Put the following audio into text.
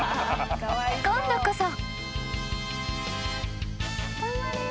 ［今度こそ］